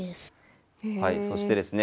はいそしてですね